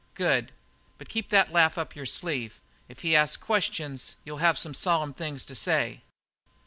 "Good; but keep that laugh up your sleeve. If he asks questions you'll have some solemn things to say."